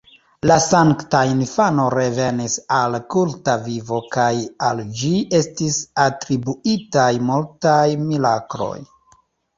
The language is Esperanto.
La Sankta Infano revenis al kulta vivo kaj al ĝi estis atribuitaj multaj mirakloj.